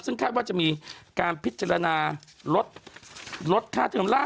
ซึ่งแค่ว่าจะมีการพิจารณารถลดค่าเทอม